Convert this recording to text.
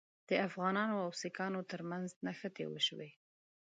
د افغانانو او سیکهانو ترمنځ نښتې وشوې.